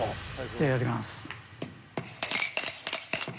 じゃあやります。